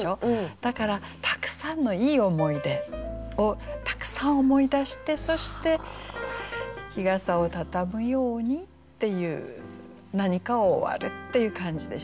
だからたくさんのいい思い出をたくさん思い出してそして日傘をたたむようにっていう何かを終わるっていう感じでしょうかね。